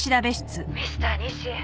ミスター西」